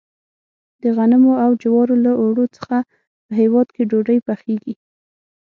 د غنمو او جوارو له اوړو څخه په هیواد کې ډوډۍ پخیږي.